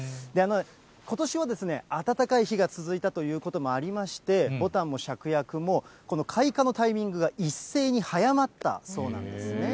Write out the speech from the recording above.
ことしは暖かい日が続いたということもありまして、ぼたんもしゃくやくも、この開花のタイミングが一斉に早まったそうなんですね。